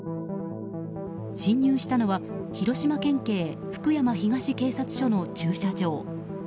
侵入したのは広島県警福山東警察署の駐車場。